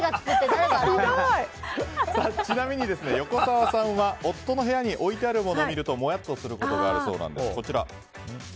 ちなみに、横澤さんは夫の部屋に置いてあるものを見るとモヤっとすることがあるそうなんです。